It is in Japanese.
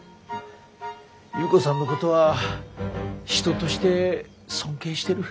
優子さんのことは人として尊敬してる。